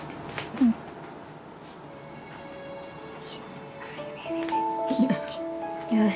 うん。よし！